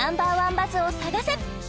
バズを探せ！